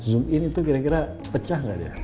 zoom in itu kira kira pecah nggak dia